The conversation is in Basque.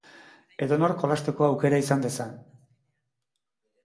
edonork jolasteko aukera izan dezan